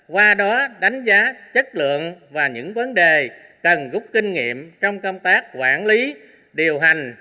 qua đó đánh giá chất lượng và những vấn đề cần gúc kinh nghiệm trong công tác quản lý điều hành